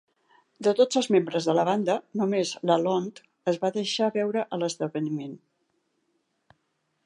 De tots els membres de la banda, només LaLonde es va deixar veure a l'esdeveniment.